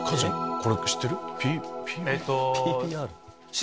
これ知ってる？